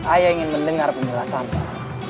ayah ingin mendengar penjelasan pak